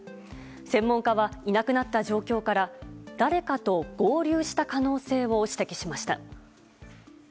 専門家はいなくなった状況から誰かと合流した可能性を指摘しました。